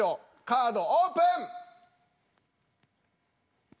カードオープン！